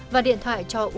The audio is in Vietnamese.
và điện thoại cho út và hải